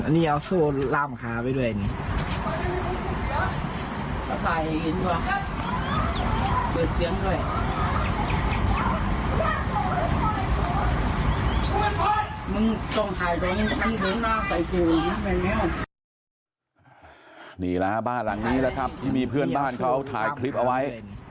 นี่แหละครับบ้านหลังนี้แหละครับที่มีเพื่อนบ้านเขาถ่ายคลิปเอาไว้